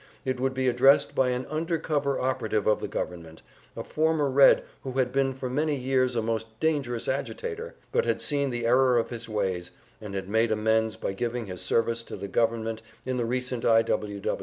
It would be addressed by an "under cover" operative of the government, a former Red who had been for many years a most dangerous agitator, but had seen the error of his ways, and had made amends by giving his services to the government in the recent I. W.